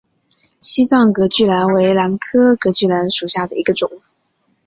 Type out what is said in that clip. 西藏隔距兰为兰科隔距兰属下的一个种。